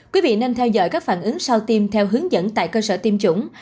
quý vị nên theo dõi các phản ứng sau tiêm theo hướng dẫn tại cơ sở tiêm chủng